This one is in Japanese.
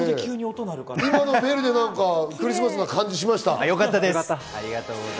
今のベルでクリスマスな感じしました。